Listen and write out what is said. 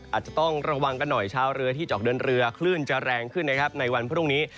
อาจจะต้องระวังกันหน่อยชาวเรือที่จะออกเดินเรือคลื่นจะแรงขึ้นนะครับในวันพรุ่งนี้